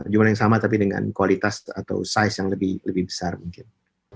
jumlah yang sama tapi dengan kualitas atau size yang lebih besar mungkin